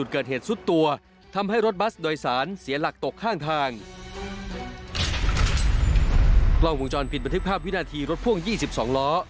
กล้าวเจอปีศาสตรีปริอภาพเลยกลับนะ